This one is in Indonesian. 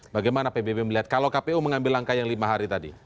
bagaimana pbb melihat kalau kpu mengambil langkah yang lima hari tadi